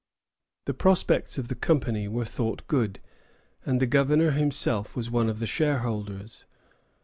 _] The prospects of the Company were thought good, and the Governor himself was one of the shareholders.